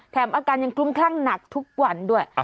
อาการยังคลุ้มคลั่งหนักทุกวันด้วย